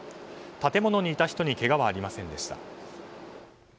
建物にいた人にけがはありませんでした。